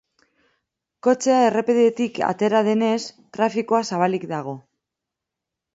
Kotxea errepidetik atera denez, trafikoa zabalik dago.